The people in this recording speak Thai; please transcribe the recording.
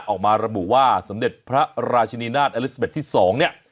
ออกมาระบุว่าสมเด็จพระราชินีนาฏอลิซาเบ็ดที่๒เนี่ย